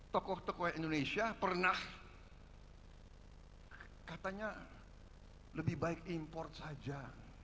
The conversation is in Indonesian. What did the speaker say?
tokoh tokoh indonesia pernah katanya lebih baik import saja